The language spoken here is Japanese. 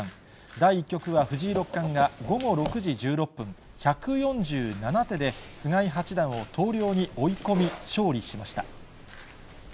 第１局は藤井六冠が午後６時１６分、１４７手で菅井八段を投了に追い込み、勝利しました。